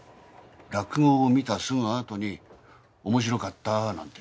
落語を見たすぐあとにおもしろかったなんて